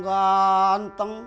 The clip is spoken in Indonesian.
ganteng dari hongkong